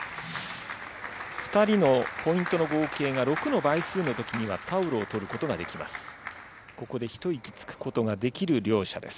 ２人のポイントの合計が６の倍数のときには、タオルを取ることができます。